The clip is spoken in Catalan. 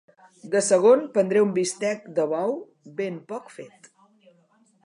De segon prendré un bistec de bou ben poc fet.